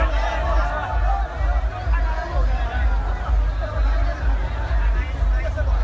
สวัสดีครับทุกคน